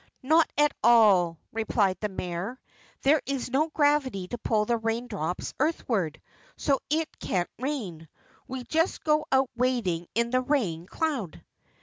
"Not at all," replied the Mayor. "There is no gravity to pull the raindrops earthward, so it can't rain. We just go out wading in the rain cloud."